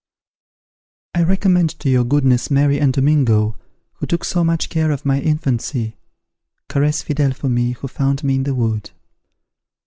"I recommend to your goodness Mary and Domingo, who took so much care of my infancy; caress Fidele for me, who found me in the wood."